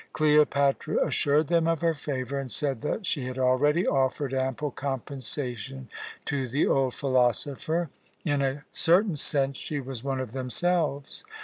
Cleopatra assured them of her favour, and said that she had already offered ample compensation to the old philosopher. In a certain sense she was one of themselves.